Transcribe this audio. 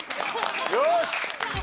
よし！